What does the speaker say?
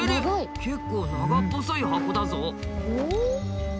結構長っぽそい箱だぞ。